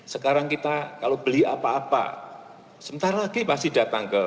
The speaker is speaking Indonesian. sekarang kita kalau beli apa apa sebentar lagi pasti datang ke